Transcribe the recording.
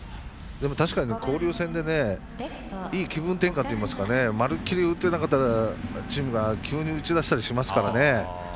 確かに交流戦でいい気分転換といいますかまるきり打てなかったチームが急に打ち出したりしますからね。